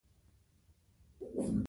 خو لږ کار هم کوي.